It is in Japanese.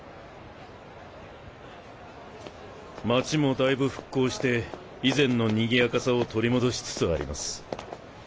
町もだいぶ復興して以前のにぎやかさを取り戻しつつあります。